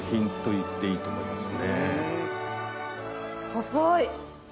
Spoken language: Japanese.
細い！